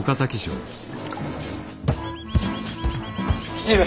父上。